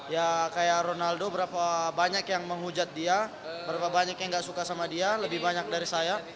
ya kayak ronaldo berapa banyak yang menghujat dia berapa banyak yang gak suka sama dia lebih banyak dari saya